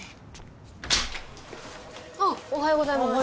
おっおはようございます。